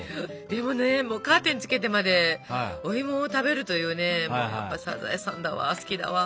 でもねもうカーテンつけてまでおいもを食べるというねもうやっぱサザエさんだわ。